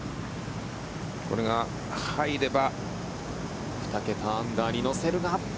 これが入れば２桁アンダーに乗せるが。